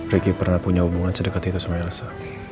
ricky pernah punya hubungan sedekat itu sama elsa